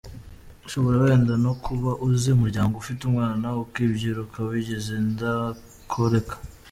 Ushobora wenda no kuba uzi umuryango ufite umwana ukibyiruka wigize indakoreka.